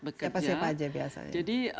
bekerja siapa siapa aja biasanya jadi